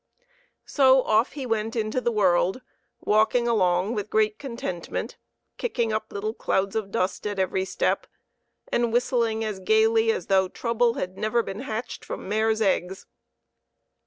So off he went into the world, walking along with great contentment, kicking up little clouds of dust at every step, and whistling as gayly as though trouble had never been hatched from mares' eggs.